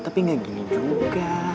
tapi gak gini juga